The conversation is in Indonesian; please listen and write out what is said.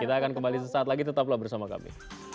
kita akan kembali sesaat lagi tetaplah bersama kami